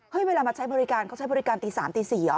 เฮ้ยเวลามาใช้บริการเค้าใช้บริการตี๓๔หรอ